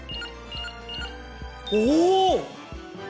おお！